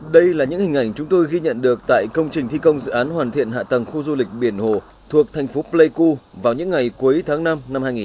đây là những hình ảnh chúng tôi ghi nhận được tại công trình thi công dự án hoàn thiện hạ tầng khu du lịch biển hồ thuộc thành phố pleiku vào những ngày cuối tháng năm năm hai nghìn hai mươi